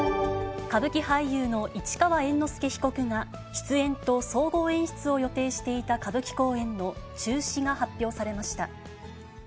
歌舞伎俳優の市川猿之助被告が、出演と総合演出を予定していた歌舞伎公演の中止が発表されました。